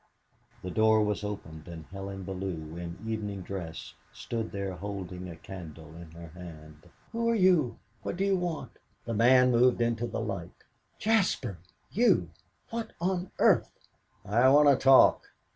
The door was opened, and Helen Bellew in evening dress stood there holding a candle in her hand. "Who are you? What do you want?" The man moved into the light. "Jaspar! You? What on earth " "I want to talk."